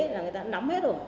người ta đã nắm hết rồi